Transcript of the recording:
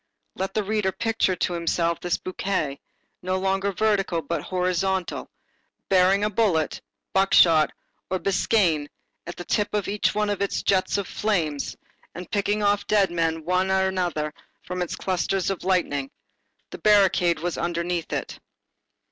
Let the reader picture to himself this bouquet, no longer vertical but horizontal, bearing a bullet, buckshot or a biscaïen at the tip of each one of its jets of flame, and picking off dead men one after another from its clusters of lightning. The barricade was underneath it.